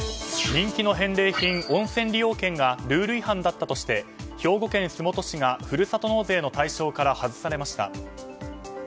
人気の返礼品、温泉利用券がルール違反だったとして兵庫県洲本市がふるさと納税の対象から外されました。